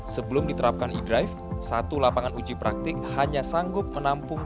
sebelum diterapkan e drive satu lapangan uji praktik hanya sanggup menampung